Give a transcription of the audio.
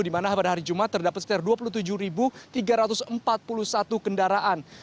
di mana pada hari jumat terdapat sekitar dua puluh tujuh tiga ratus empat puluh satu kendaraan